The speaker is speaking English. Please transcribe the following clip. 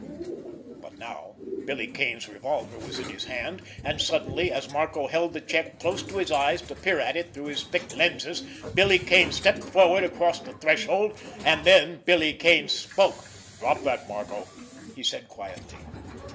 But now Billy Kane's revolver was in his hand—and suddenly, as Marco held the check close to his eyes to peer at it through his thick lenses, Billy Kane stepped forward across the threshold. And then Billy Kane spoke. "Drop that, Marco!" he said quietly.